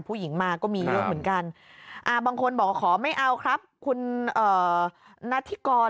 ผู้หญิงมาก็มีเยอะเหมือนกันบางคนบอกว่าขอไม่เอาครับคุณนัทธิกร